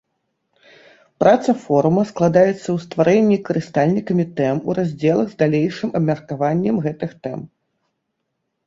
Праца форума складаецца ў стварэнні карыстальнікамі тэм у раздзелах з далейшым абмеркаваннем гэтых тэм.